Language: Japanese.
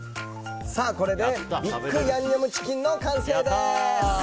これでＢＩＧヤンニョムチキンの完成です。